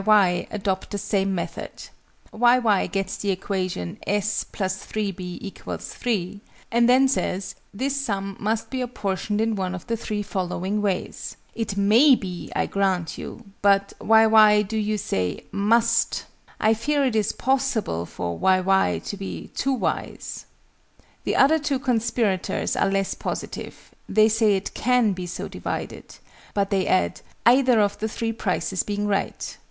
Y., adopt the same method. Y. Y. gets the equation s + 3_b_ = 3: and then says "this sum must be apportioned in one of the three following ways." It may be, I grant you: but Y. Y. do you say "must"? I fear it is possible for Y. Y. to be two Y's. The other two conspirators are less positive: they say it "can" be so divided: but they add "either of the three prices being right"!